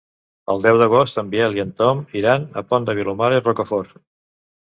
El deu d'agost en Biel i en Tom iran al Pont de Vilomara i Rocafort.